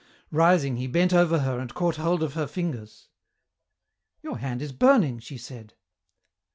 Rising, he bent over her and caught hold of her fingers. "Your hand is burning," she said.